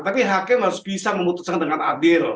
tapi hakim harus bisa memutuskan dengan adil